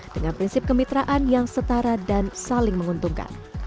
dengan prinsip kemitraan yang setara dan saling menguntungkan